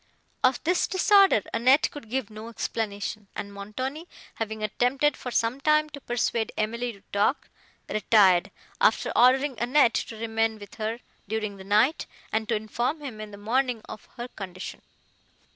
Of this disorder Annette could give no explanation, and Montoni, having attempted, for some time, to persuade Emily to talk, retired, after ordering Annette to remain with her, during the night, and to inform him, in the morning, of her condition.